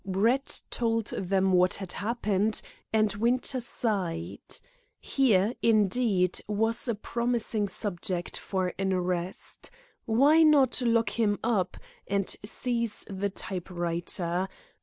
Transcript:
Brett told them what had happened, and Winter sighed. Here, indeed, was a promising subject for an arrest. Why not lock him up, and seize the type writer?